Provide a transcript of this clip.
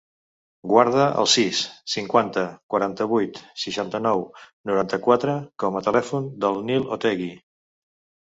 Guarda el sis, cinquanta, quaranta-vuit, seixanta-nou, noranta-quatre com a telèfon del Nil Otegui.